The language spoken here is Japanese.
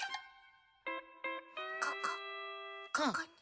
ここここに。